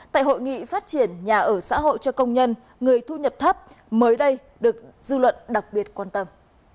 tại hội nghị phát triển nhà ở xã hội cho công nhân người thu nhập thấp mới đây được dư luận đặc biệt quan tâm